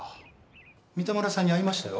三田村さんに会いましたよ